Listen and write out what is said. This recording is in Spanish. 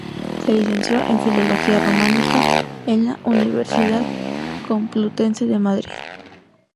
Se licenció en Filología Románica en la Universidad Complutense de Madrid.